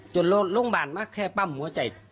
จนรถโรงพยาบาลมาลับแค่มัมหัวใจ